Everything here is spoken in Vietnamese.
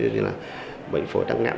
như là bệnh phổi tăng nạn